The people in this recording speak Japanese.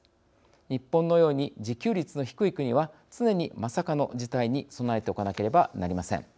日本のように自給率の低い国は常にまさかの事態に備えておかなければなりません。